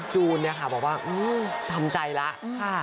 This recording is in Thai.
จูนบอกว่าทำใจแล้ว